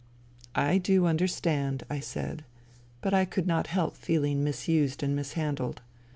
" I do understand," I said, but I could not help feeling misused and mishandled.